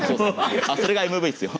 それがＭＶっすよ。